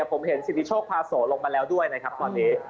ผมเห็นสิทธิโชคพาโสลงมาแล้วด้วยนะครับตอนนี้